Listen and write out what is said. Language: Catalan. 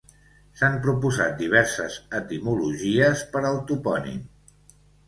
S'han proposat diverses etimologies per al topònim.